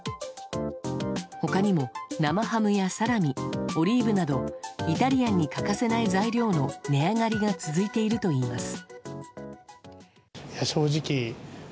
他にも、生ハムやサラミオリーブなどイタリアンに欠かせない材料の値上がりが続いているといいます。